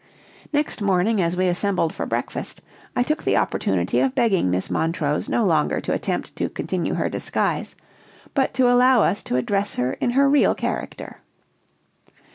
Next morning, as we assembled for breakfast, I took the opportunity of begging Miss Montrose no longer to attempt to continue her disguise, but to allow us to address her in her real character.